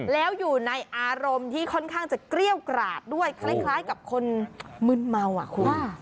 แล้วอยู่ในอารมณ์ที่ค่อนข้างจะเกรี้ยวกราดด้วยคล้ายกับคนมึนเมาอ่ะคุณ